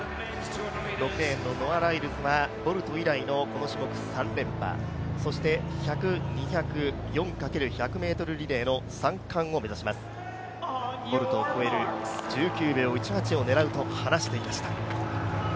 ６レーンのノア・ライルズはボルト以来のこの種目３連覇、そして１００、２００、４×１００リレーの３冠を目指します、ボルトを超える１９秒１８を狙うと話していました。